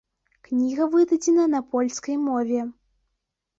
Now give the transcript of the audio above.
Кніга выдадзена на польскай мове.